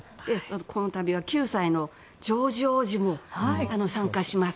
この度は９歳のジョージ王子も参加します。